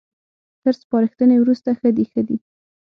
تر سپارښتنې وروسته ښه ديښه دي